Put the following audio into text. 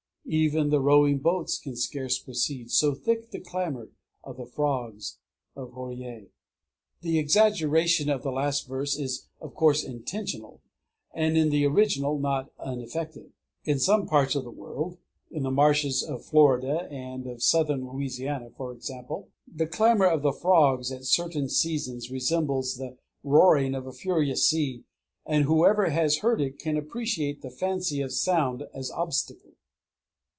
_ Even the rowing boats can scarce proceed, so thick the clamor of the frogs of Horié! The exaggeration of the last verse is of course intentional, and in the original not uneffective. In some parts of the world in the marshes of Florida and of southern Louisiana, for example, the clamor of the frogs at certain seasons resembles the roaring of a furious sea; and whoever has heard it can appreciate the fancy of sound as obstacle.